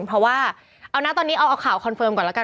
เพราะว่าเอานะตอนนี้เอาข่าวคอนเฟิร์มก่อนแล้วกัน